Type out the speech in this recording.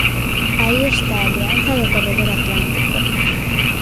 Aí está a alianza do corredor atlántico.